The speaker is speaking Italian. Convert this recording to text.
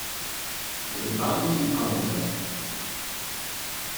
The Bounty Hunter